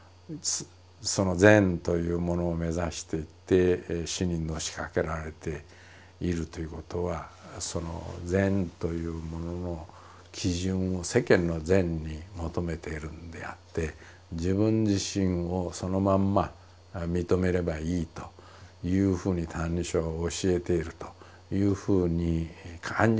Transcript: その善というものを目指していって死にのしかかられているということはその善というものの基準を世間の善に求めてるんであって自分自身をそのまんま認めればいいというふうに「歎異抄」が教えているというふうに感じられるようになってきたんですね。